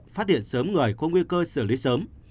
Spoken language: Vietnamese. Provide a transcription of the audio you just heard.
phát hiện sớm người có nguy cơ xử lý sớm